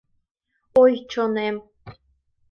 Ой, чонем!..